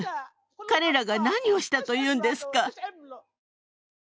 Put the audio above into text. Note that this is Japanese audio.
彼らが何をしたというんですか。